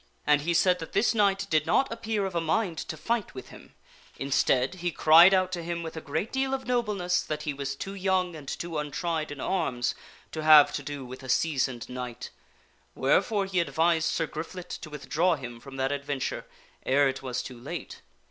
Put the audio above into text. And he said that this knight did not appear of a mind to fight with him ; instead, he cried out to him with a great deal of nobleness that he was too young and too untried in arms to have to do with a seasoned knight ; wherefore 'he advised Sir Griflet to withdraw him from that adventure ere it was too late.